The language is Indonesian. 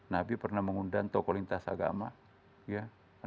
nabi pernah mengundang tokoh lintas agama ya